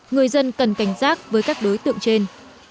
người dân cần cảnh giác với các đối tượng trên